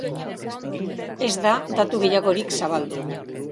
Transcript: Ez da datu gehiagorik zabaldu.